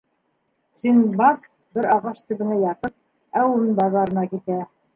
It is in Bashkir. Синдбад, бер ағас төбөнә ятып, әүен баҙарына китә.